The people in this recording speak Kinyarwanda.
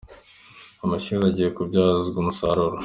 Amashyuza agiye kubyazwa umusaruro